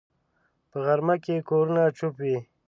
په غرمه کې کورونه چوپ وي